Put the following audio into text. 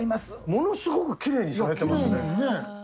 ものすごくきれいにされてますね。